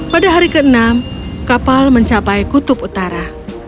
pada hari ke enam kapal mencapai kutub utara